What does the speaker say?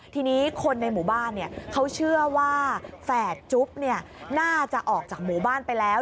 ทีนี้คนในหมู่บ้านเขาเชื่อว่าแฝดจุ๊บน่าจะออกจากหมู่บ้านไปแล้ว